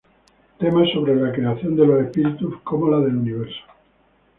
Temas sobre la creación de los espíritus como la del universo.